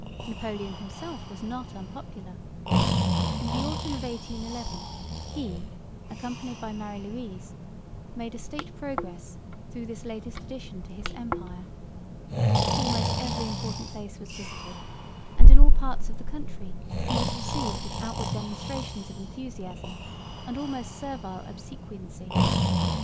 Napoleon himself was not unpopular. In the autumn of 1811 he, accompanied by Marie Louise, made a state progress through this latest addition to his empire. Almost every important place was visited, and in all parts of the country he was received with outward demonstrations of enthusiasm and almost servile obsequiency.